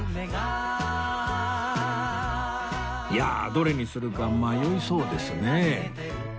いやあどれにするか迷いそうですね